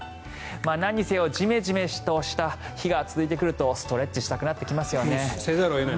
なんにせよジメジメした日が続いてくるとストレッチしたくなってきます。